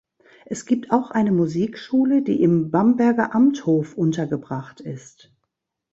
Es gibt auch eine Musikschule, die im Bamberger Amthof untergebracht ist.